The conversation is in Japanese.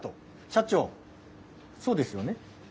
社長そうですよね。